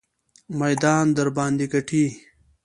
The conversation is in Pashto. میدان درباندې ګټي.